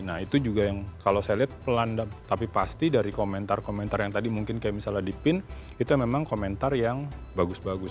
nah itu juga yang kalau saya lihat pelan tapi pasti dari komentar komentar yang tadi mungkin kayak misalnya di pin itu memang komentar yang bagus bagus